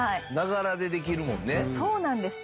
そうなんですよ。